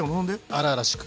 荒々しく？